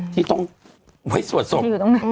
ที่ต้องไว้สวดสม